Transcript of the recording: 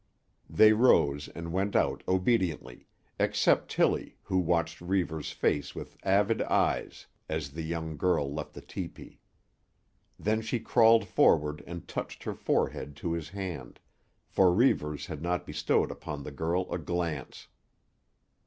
They rose and went out obediently, except Tillie who watched Reivers's face with avid eyes as the young girl left the tepee. Then she crawled forward and touched her forehead to his hand, for Reivers had not bestowed upon the girl a glance.